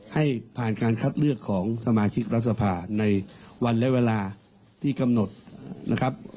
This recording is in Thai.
ให้ผ่านการคัดเลือกของสมาชิกรัฐสภาในวันและเวลาที่กำหนดนะครับ